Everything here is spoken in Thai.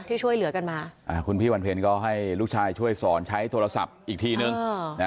ที่ช่วยเหลือกันมาคุณพี่วันเพลงก็ให้ลูกชายช่วยสอนใช้โทรศัพท์อีกทีนึง